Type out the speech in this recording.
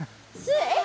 えっ！